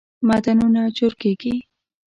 معدنونه چورکیږی